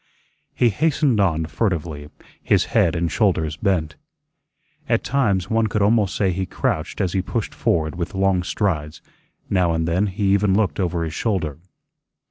He hastened on furtively, his head and shoulders bent. At times one could almost say he crouched as he pushed forward with long strides; now and then he even looked over his shoulder.